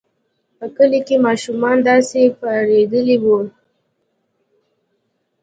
په کلي کې ماشومان داسې پارېدلي وو.